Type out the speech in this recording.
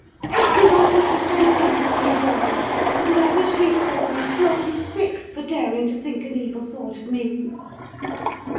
Edgar, I was defending you and yours; and I wish Heathcliff may flog you sick, for daring to think an evil thought of me!"